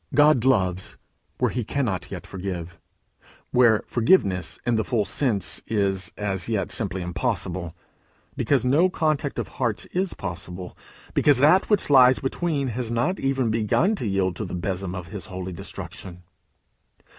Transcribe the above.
God loves where he cannot yet forgive where forgiveness in the full sense is as yet simply impossible, because no contact of hearts is possible, because that which lies between has not even begun to yield to the besom of his holy destruction.